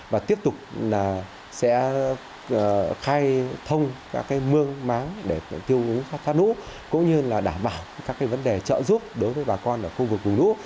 và tiếp tục là sẽ khai thông các cái mương máng để tiêu úng khắc phát lũ cũng như là đảm bảo các cái vấn đề trợ giúp đối với bà con ở khu vực vùng lũ